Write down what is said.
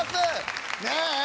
ねえ。